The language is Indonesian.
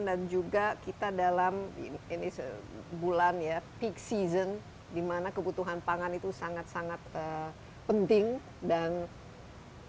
dan juga kita dalam bulan ya peak season di mana kebutuhan pangan itu sangat sangat penting dan sensitif